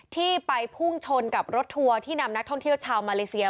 ที่ไปพุ่งชนกับรถทัวร์ที่นำนักท่องเที่ยวชาวมาเลเซีย